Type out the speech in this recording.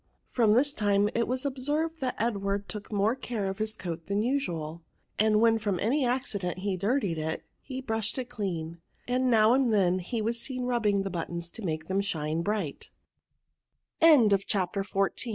From this time it was obsenred that Ed ward took more care of his coat than usual; «nd when from any accident he dirtied it, he brushed it clean^ and now and then he was seen rubbing the buttons to make them shine